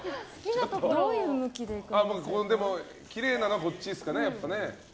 きれいなのはこっちですかね。